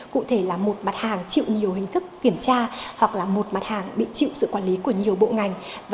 cụ thể là một mặt hàng chịu nhiều hình thức kiểm tra hoặc là một mặt hàng bị chịu sự quản lý của nhiều bộ ngành